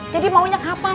jadi maunya kapan